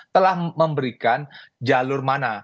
telah memberikan jalur mana